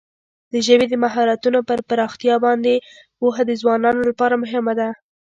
د ژبې د مهارتونو پر پراختیا باندې پوهه د ځوانانو لپاره مهمه ده.